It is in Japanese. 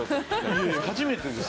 いやいや初めてです。